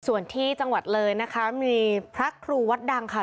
ส่วนที่จังหวัดเลยนะคะมีพระครูวัดดังค่ะ